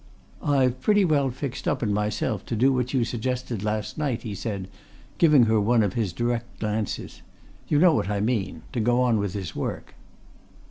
"I've pretty well fixed up, in myself, to do what you suggested last night," he said, giving her one of his direct glances. "You know what I mean to go on with his work."